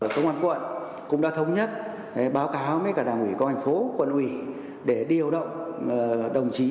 công an quận cũng đã thống nhất báo cáo với cả đảng ủy công an phố quận ủy để điều động đồng chí